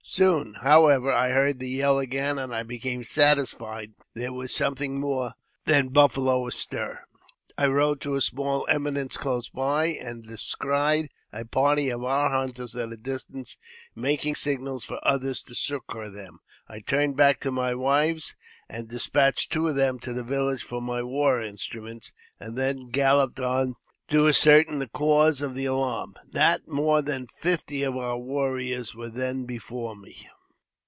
Soon, however, I heard the yell again, and I became satisfied there ^L was something more than buffalo astir. I rode to a small ll eminence close by, and descried a party of our hunters at a distance making signals for others to succour them. I turned i back to my wives, and despatched two of them to the village n for my war instruments, and then galloped on to ascertain the ^• cause of the alarm. Not more than fifty of our warriors were then before me.